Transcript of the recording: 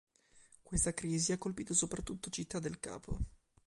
Questa crisi ha colpito soprattutto Città del Capo.